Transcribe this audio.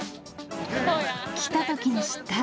来たときに知った。